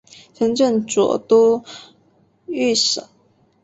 曾任左都御史。